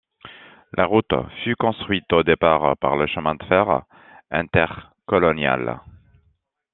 La route fut construite au départ par le Chemin de fer Intercolonial.